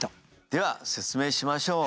では説明しましょう。